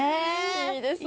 いいですね。